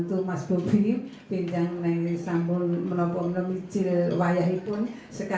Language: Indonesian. tinggal ke wahid ya